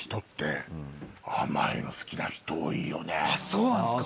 そうなんですか？